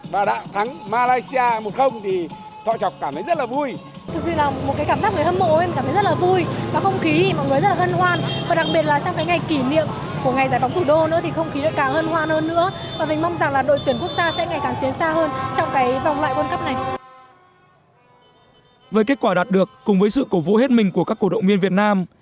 với kết quả đạt được cùng với sự cổ vũ hết mình của các cổ động viên việt nam